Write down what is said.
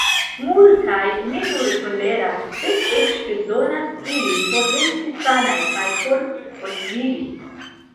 Multaj ne nur toleras, sed eĉ bezonas ilin por resti sanaj kaj por postvivi.